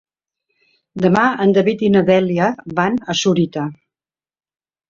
Demà en David i na Dèlia van a Sorita.